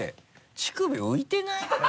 乳首浮いてない？